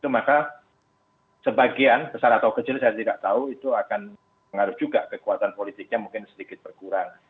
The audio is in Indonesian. maka sebagian besar atau kecil saya tidak tahu itu akan mengaruh juga kekuatan politiknya mungkin sedikit berkurang